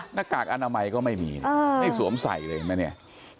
หน้ากากอนามัยก็ไม่มีนะไม่สวมใส่เลยเห็นไหมเนี่ย